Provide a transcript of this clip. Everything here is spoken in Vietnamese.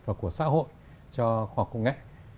và của xã hội cho khoa học công nghệ